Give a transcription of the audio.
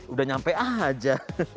udah nyampe aja